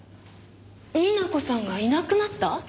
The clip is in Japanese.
美奈子さんがいなくなった？